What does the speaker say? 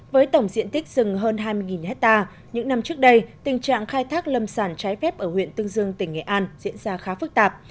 với tổng diện tích rừng hơn hai mươi hectare những năm trước đây tình trạng khai thác lâm sản trái phép ở huyện tương dương tỉnh nghệ an diễn ra khá phức tạp